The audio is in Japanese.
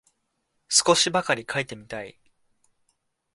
少しばかり書いてみたい